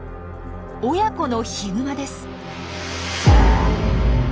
親子のヒグマです！